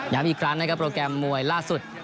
อีกครั้งนะครับโปรแกรมมวยล่าสุด